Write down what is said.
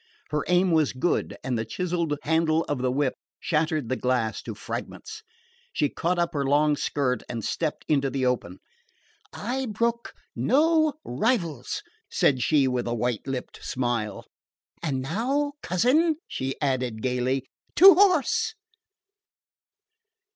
Her aim was good and the chiselled handle of the whip shattered the glass to fragments. She caught up her long skirt and stepped into the open. "I brook no rivals!" said she with a white lipped smile. "And now, cousin," she added gaily, "to horse!"